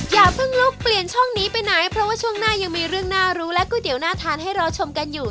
อย่าเพิ่งลุกเปลี่ยนช่องนี้ไปไหนเพราะว่าช่วงหน้ายังมีเรื่องน่ารู้และก๋วยเตี๋ยวน่าทานให้รอชมกันอยู่